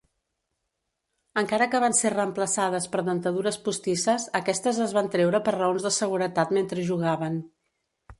Encara que van ser reemplaçades per dentadures postisses, aquestes es van treure per raons de seguretat mentre jugaven.